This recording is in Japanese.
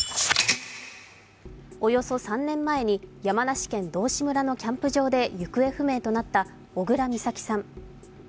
およそ３年前に山梨県道志村のキャンプ場で行方不明となった小倉美咲さん。